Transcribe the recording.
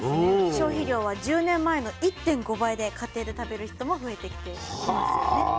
消費量は１０年前の１．５倍で家庭で食べる人も増えてきていますよね。はおしゃれ。